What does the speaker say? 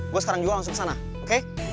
gua sekarang juga langsung kesana oke